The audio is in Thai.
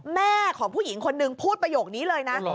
แม่ของผู้หญิงคนนึงพูดประโยคนี้เลยนะ